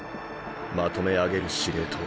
まとめ上げる司令塔。